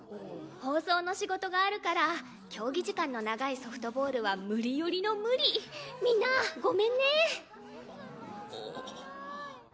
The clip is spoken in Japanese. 放送の仕事があるから競技時間の長いソフトボールは無理寄りの無理みんなごめんねあっ。